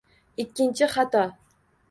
Ikkinchi xato.